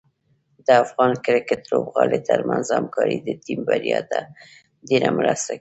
د افغان کرکټ لوبغاړو ترمنځ همکاري د ټیم بریا ته ډېره مرسته کوي.